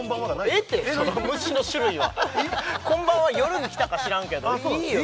ええってその虫の種類はこんばんは夜にきたか知らんけどいいよ